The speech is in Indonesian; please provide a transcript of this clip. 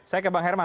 saya ke bang herman